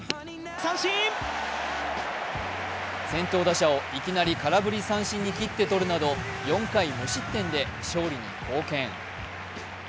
先頭打者をいきなり空振り三振に切ってとるなど４回無失点で勝利に貢献。